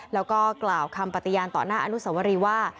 แล้วก็กล่าวคำปฏิญาณต่อหน้าอนุสวรีว่า